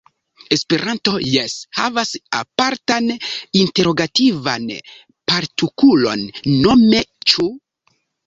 Esperanto jes havas apartan interogativan partukulon, nome "ĉu".